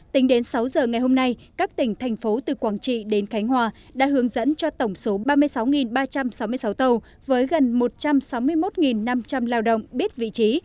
tính đến sáu giờ ngày hôm nay các tỉnh thành phố từ quảng trị đến khánh hòa đã hướng dẫn cho tổng số ba mươi sáu ba trăm sáu mươi sáu tàu với gần một trăm sáu mươi một năm trăm linh lao động biết vị trí